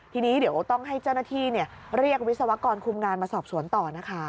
ทีนี้เดี๋ยวต้องให้เจ้าหน้าที่เรียกวิศวกรคุมงานมาสอบสวนต่อนะคะ